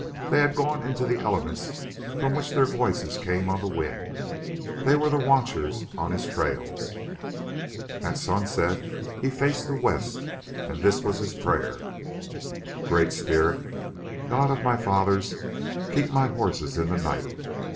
They had gone into the elements from which their voices came on the wind. They were the watchers on his trails. At sunset he faced the west, and this was his prayer: Great Spirit, God of my Fathers, Keep my horses in the night.